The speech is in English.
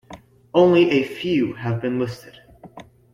Only a few have been listed.